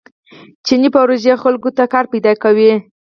چیني پروژې خلکو ته کار پیدا کوي.